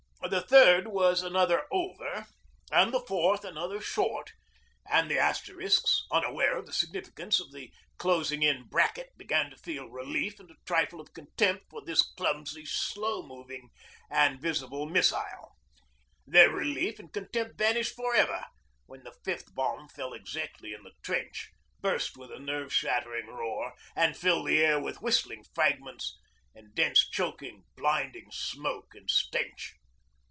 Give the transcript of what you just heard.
The third was another 'over' and the fourth another 'short' and the Asterisks, unaware of the significance of the closing in 'bracket' began to feel relief and a trifle of contempt for this clumsy slow moving and visible missile. Their relief and contempt vanished for ever when the fifth bomb fell exactly in the trench, burst with a nerve shattering roar, and filled the air with whistling fragments and dense choking, blinding smoke and stench.